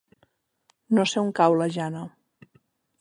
No sé on cau la Jana.